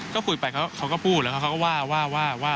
ก็คุยไปเขาก็พูดแล้วเขาก็ว่าว่า